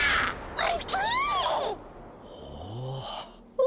ほう。